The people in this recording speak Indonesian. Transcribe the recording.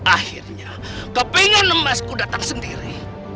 akhirnya kau ingin memasukku datang sendiri